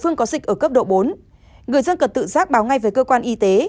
người dân cần tự giác báo ngay về cơ quan y tế